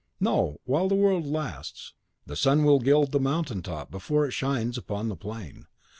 No, while the world lasts, the sun will gild the mountain top before it shines upon the plain.